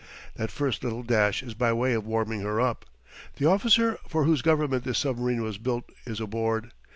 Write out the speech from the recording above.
That first little dash is by way of warming her up. The officer for whose government this submarine was built is aboard.